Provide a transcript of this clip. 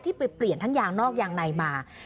ไปเปลี่ยนทั้งยางนอกยางในมา